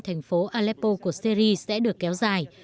thành phố aleppo của syri sẽ được kéo dài